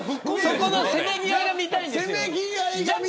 そこのせめぎ合いが見たいんですよ。